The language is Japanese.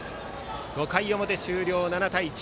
５回表終了、７対１。